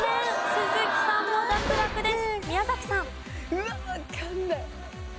宮崎さんも脱落です。